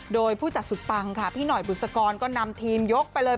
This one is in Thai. โดยผู้จัดสุดปังค่ะพี่หน่อยบุษกรก็นำทีมยกไปเลย